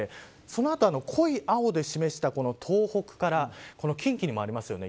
その後、濃い青で示した東北から近畿にもありますよね。